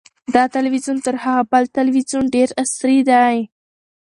دا تلویزیون تر هغه بل تلویزیون ډېر عصري دی.